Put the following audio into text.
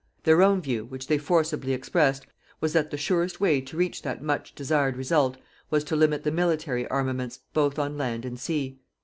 Their own view, which they forcibly expressed, was that the surest way to reach that much desired result was to limit the military armaments, both on land and sea.